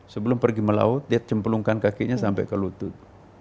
sebelum pergi melaut dia cemplungkan kakinya sampai ke lutut